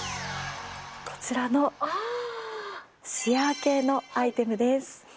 こちらのシアー系のアイテムです。